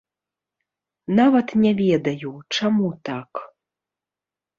Нават не ведаю, чаму так.